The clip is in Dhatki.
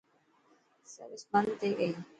سروس بند ٿي گئي.